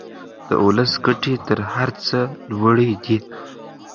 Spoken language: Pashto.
د ولس ګټې تر هر څه لوړې دي.